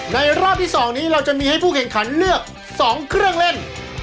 รอบที่๒นี้เราจะมีให้ผู้แข่งขันเลือก๒เครื่องเล่น